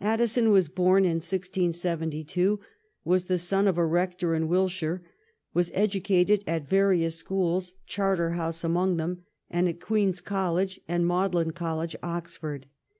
Addison was born in 1672, was the son of a rector in Wiltshire, was educated at various schools, Charterhouse among them, and at Queen's College and Magdalen College, Oxford.